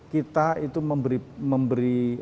kita itu memberi